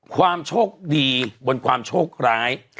ความโชคดีบนความโชคร้าย